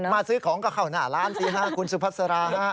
มาซื้อของก็เข้าหน้าร้านที่๕คุณสุพัสรา